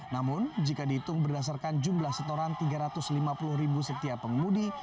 namun jika dihitung berdasarkan jumlah setoran tiga ratus lima puluh ribu setiap pengemudi